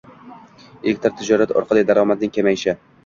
Elektron tijorat orqali daromadining kamayishi